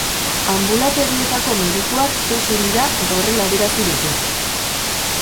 Anbulategietako medikuak kexu dira eta horrela adierazi dute.